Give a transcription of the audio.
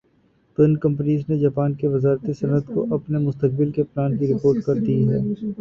تو ان کمپنیز نےجاپان کی وزارت صنعت کو اپنے مستقبل کے پلان کی رپورٹ کر دی ھے